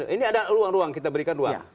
ini ada ruang ruang kita berikan ruang